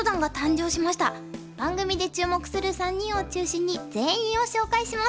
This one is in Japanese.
番組で注目する３人を中心に全員を紹介します。